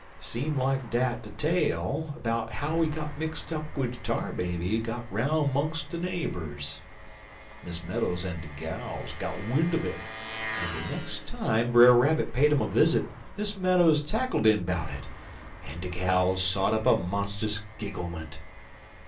"Seem like dat de tale 'bout how he got mixt up wid de Tar Baby got 'roun' 'mongst de nabers. Leas'ways, Miss Meadows en de gals got win' un' it, en de nex' time Brer Rabbit paid um a visit Miss Meadows tackled 'im 'bout it, en de gals sot up a monstus gigglement.